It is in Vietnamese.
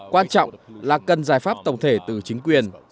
quan trọng là cần giải pháp tổng thể từ chính quyền